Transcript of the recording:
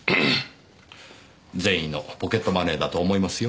善意のポケットマネーだと思いますよ。